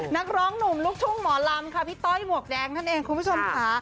นักร้องหนุ่มลูกทุ่งหมอลำค่ะพี่ต้อยหมวกแดงนั่นเองคุณผู้ชมค่ะ